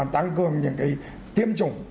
tăng cường những tiêm chủng